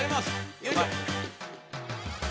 よいしょ。